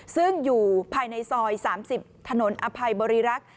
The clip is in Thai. ซึ่งอยู่ภายในซอย๓๐ถนนอภัยบริรักษ์